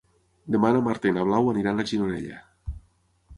Demà na Marta i na Blau aniran a Gironella.